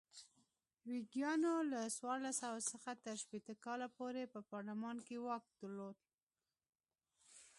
ویګیانو له څوارلس سوه څخه تر شپېته کاله پورې پر پارلمان واک درلود.